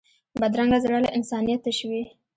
بدرنګه زړه له انسانیت تش وي